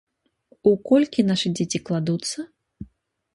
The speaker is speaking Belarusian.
У колькі нашы дзеці кладуцца?